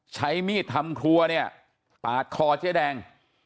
ใช้มีดทำครัวเนี่ยปาดคอเจ๊แดง